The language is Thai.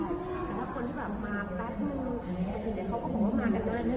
แต่ถ้าคนที่แบบมาแป๊บนึงในสิ่งนี้เขาก็บอกว่ามากันได้เรื่อย